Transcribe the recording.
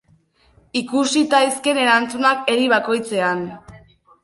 Ikus zitaizkeen eraztunak eri bakoitzetan.